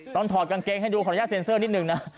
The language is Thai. ถอดกางเกงให้ดูขออนุญาตเซ็นเซอร์นิดนึงนะ